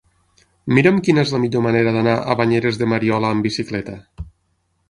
Mira'm quina és la millor manera d'anar a Banyeres de Mariola amb bicicleta.